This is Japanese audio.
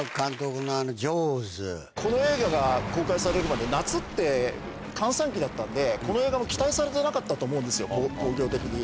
この映画が公開されるまで、夏って閑散期だったんで、この映画も期待されてなかったと思うんですよ、興行的に。